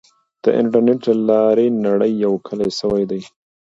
د انټرنیټ له لارې نړۍ یو کلی سوی دی.